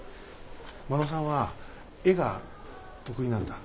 真野さんは絵が得意なんだ。